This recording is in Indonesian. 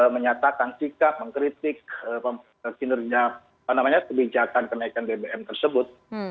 menyatakan sikap mengkritik kebijakan kenaikan bbm tersebut